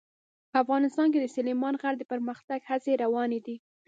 افغانستان کې د سلیمان غر د پرمختګ هڅې روانې دي.